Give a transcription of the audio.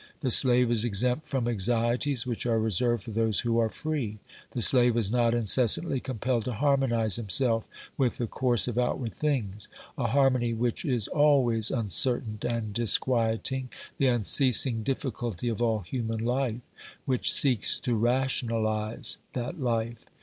The slave is exempt from anxieties which are reserved for those who are free; the slave is not incessantly compelled to harmonise himself with the course of outward things, a harmony which is always uncertain and disquieting, the unceasing difficulty of all human life which seeks to rationalise that life.